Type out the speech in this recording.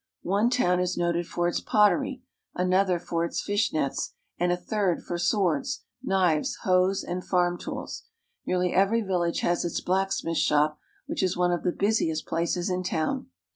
One town is noted for its pottery, another for its fish nets, and a third for swords, knives, hoes, and farm tools. Nearly every village has its blacksmith shop, which is one of the busiest places in town.